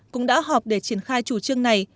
cũng đã họp để triển khai chủ trương này